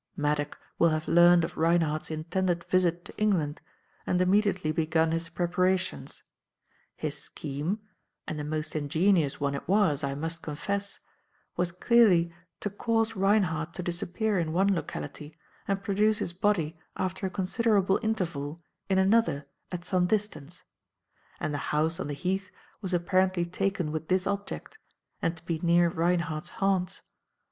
Maddock will have learned of Reinhardt's intended visit to England and immediately begun his preparations. His scheme and a most ingenious one it was, I must confess was clearly to cause Reinhardt to disappear in one locality and produce his body after a considerable interval in another at some distance; and the house on the Heath was apparently taken with this object and to be near Reinhardt's haunts.